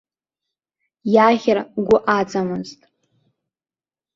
Иаӷьра гәы аҵамызт.